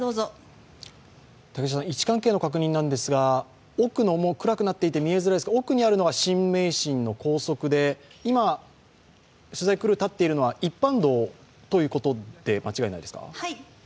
位置関係の確認なんですが、奥の、暗くなっていて見えづらいんですが奥にあるのが新名神の高速で今、取材クルーが立っているのは一般道で間違いないですか？